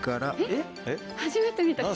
えっ？